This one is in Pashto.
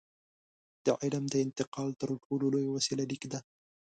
د علم د انتقال تر ټولو لویه وسیله لیک ده.